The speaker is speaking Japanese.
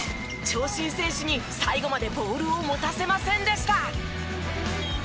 長身選手に最後までボールを持たせませんでした。